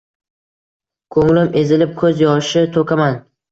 Ko’nglim ezilib, ko’z yoshi to’kaman.